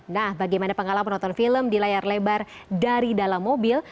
nah bagaimana pengalaman menonton film di layar lebar dari dalam mobil